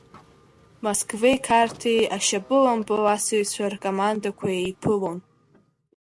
Москвеи Қарҭи ашьапылампыл асыҩцәа ркомандақәа еиԥылон.